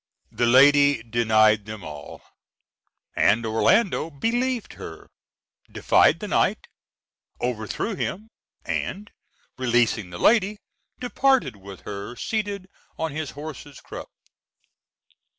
The lady denied them all, and Orlando believed her, defied the knight, overthrew him, and, releasing the lady, departed with her seated on his horse's croup.